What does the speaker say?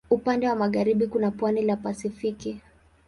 Upande wa magharibi kuna pwani la Pasifiki.